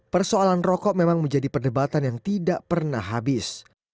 persoalan rokok memang menjadi perdebatan yang tidak pernah habis